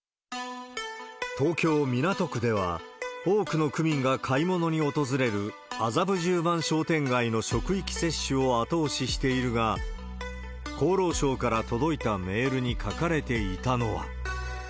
東京・港区では、多くの区民が買い物に訪れる麻布十番商店街の職域接種を後押ししているが、厚労省から届いたメールに書かれていたのは。